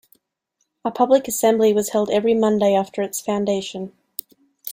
A public assembly was held every Monday after its foundation.